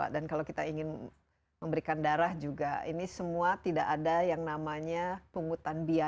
dan kalau kita ingin memberikan darah juga ini semua tidak ada yang namanya penghutang biaya